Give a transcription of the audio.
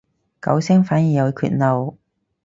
九聲反而有缺漏